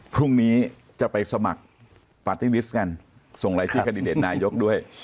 พรุ่งนี้จะไปสมัครปัตเต้นดิสร์กันส่งหลายชีพกัญแถนนายกด้วย